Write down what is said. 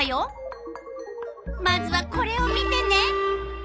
まずはこれを見てね。